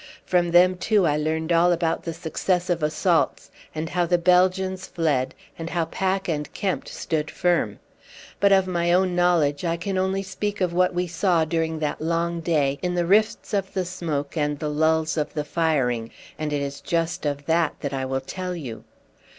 From them, too, I learned all about the successive assaults, and how the Belgians fled, and how Pack and Kempt stood firm. But of my own knowledge I can only speak of what we saw during that long day in the rifts of the smoke and the lulls of the firing, and it is just of that that I will tell you.